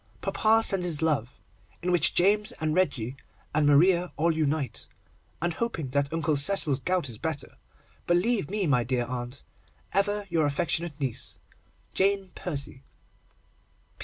Papa sends his love, in which James, and Reggie, and Maria all unite, and, hoping that Uncle Cecil's gout is better, believe me, dear aunt, ever your affectionate niece, JANE PERCY.